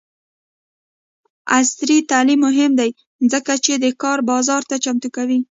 عصري تعلیم مهم دی ځکه چې د کار بازار ته چمتو کوي.